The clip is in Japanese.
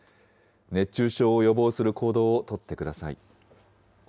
熱中症を予防する行動を取ってください。